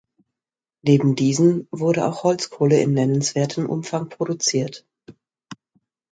Neben diesen wurde auch Holzkohle in nennenswertem Umfang produziert.